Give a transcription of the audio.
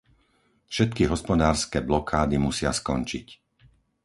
Všetky hospodárske blokády musia skončiť.